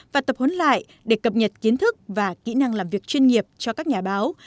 và tập huấn lại để cập nhật kiến thức và kỹ năng làm việc chuyên nghiệp cho các nhà báo